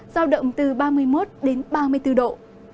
giao động từ ba mươi một đến ba mươi bốn độ